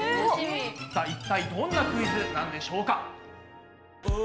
さあ一体どんなクイズなんでしょうか？